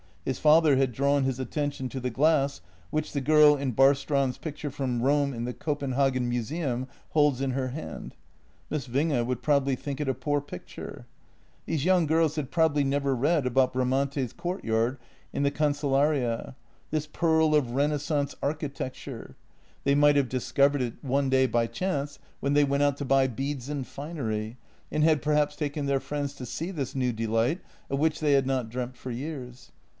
His father had drawn his attention to the glass, which the girl in Barstrand's picture from Rome in the Copenhagen museum holds in her hand. Miss Winge would probably think it a poor picture. These young girls had probably never read about Bramante's courtyard in the Cancellaria —" this pearl of renaissance architecture." They might have discovered it 28 JENNY one day by chance, when they went out to buy beads and finer}', and had perhaps taken their friends to see this new delight, of which they had not dreamt for years.